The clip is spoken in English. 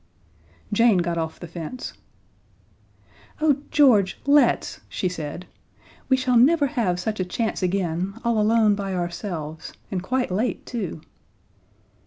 Jane got off the fence. "Oh, George, let's," she said. "We shall never have such a chance again all alone by ourselves and quite late, too."